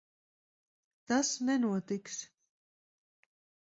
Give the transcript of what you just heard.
Tas nenotiks.